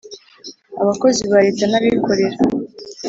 abakozi ba leta, nabikorera